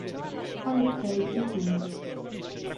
Aleksej Tichonov